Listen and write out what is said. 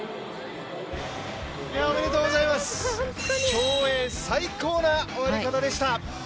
競泳最高な終わり方でした！